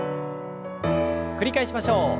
繰り返しましょう。